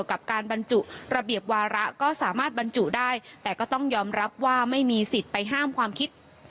กับการบรรจุระเบียบวาระก็สามารถบรรจุได้แต่ก็ต้องยอมรับว่าไม่มีสิทธิ์ไปห้ามความคิด